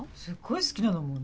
すっごい好きなの。